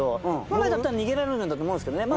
本来だったら逃げられるんだと思うんすけどね。